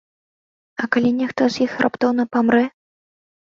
А калі нехта з іх раптоўна памрэ?